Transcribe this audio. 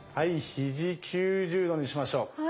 ひじ９０度にしましょう。